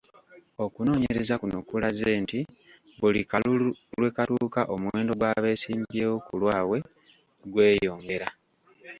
Okunoonyereza kuno kulaze nti buli kalulu lwe katuuka omuwendo gw'abeesimbyewo ku lwabwe gweyongera.